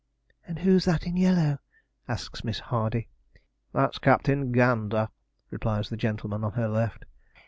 'And who's that in yellow?' asks Miss Hardy. 'That's Captain Gander,' replies the gentleman on her left.